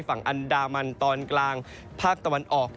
ฝั่งอันดามันตอนกลางภาคตะวันออก